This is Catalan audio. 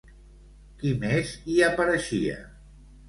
Qui més hi apareixia?